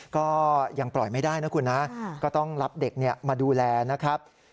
ก็ยังปล่อยไม่ได้นะคุณนะก็ต้องรับเด็กมาดูแลนะครับ